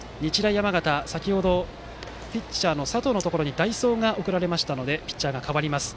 山形は、先程ピッチャーの佐藤のところに代走が送られましたのでピッチャーが代わります。